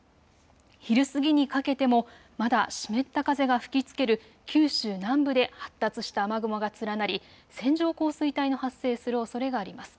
昼過ぎにかけてもまだ湿った風が吹きつける九州南部で発達した雨雲が連なり線状降水帯の発生するおそれがあります。